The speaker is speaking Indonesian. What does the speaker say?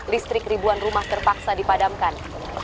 listrik ribuan rumah terpaksa dipadamkan